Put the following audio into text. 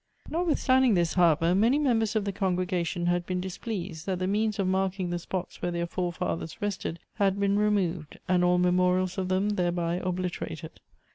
Notwithstanding this, however, many members of the congregation had been displeased that the means of marking the spots where their forefathers rested h.id been removed, and all memorials of them thereby obliter ated.